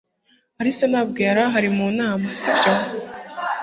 alice ntabwo yari ahari mu nama, si byo